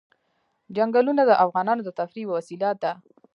چنګلونه د افغانانو د تفریح یوه وسیله ده.